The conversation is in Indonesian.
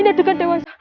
ini itu kan dewasa